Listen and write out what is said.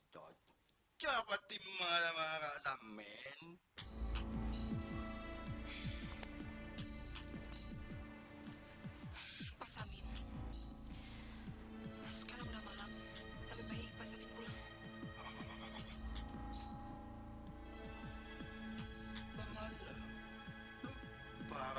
tapi mau bergerak